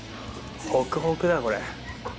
ほくほくだこれ。